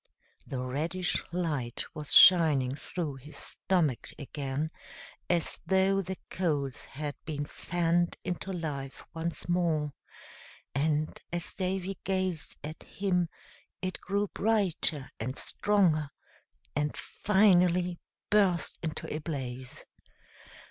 The reddish light was shining through his stomach again, as though the coals had been fanned into life once more, and as Davy gazed at him it grew brighter and stronger, and finally burst into a blaze.